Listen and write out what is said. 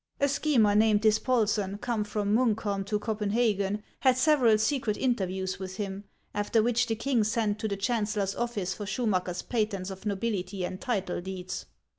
A schemer named Dispolsen, come from Munkholm to Copenhagen, had several secret interviews with him, after which the king sent to the chancellor's office for Schu macker's patents of nobility and title deeds.